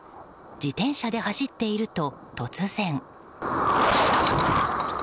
自転車で走っていると突然。